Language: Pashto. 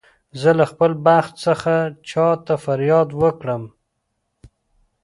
زه له خپل بخت څخه چا ته فریاد وکړم.